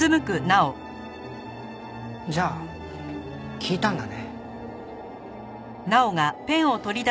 じゃあ聞いたんだね？